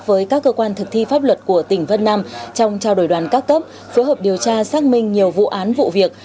với các cơ quan thực thi pháp luật của tỉnh vân nam trong trao đổi đoàn các cấp phối hợp điều tra xác minh nhiều vụ án vụ việc